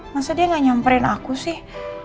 masa dia gak nyamperin aku sih